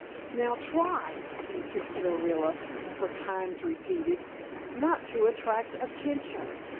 "Now try," insisted Orilla for times repeated, "not to attract attention.